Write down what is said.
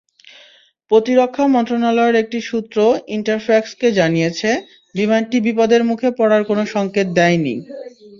প্রতিরক্ষা মন্ত্রণালয়ের একটি সূত্র ইন্টারফ্যাক্সকে জানিয়েছে, বিমানটি বিপদের মুখে পড়ার কোনো সংকেত দেয়নি।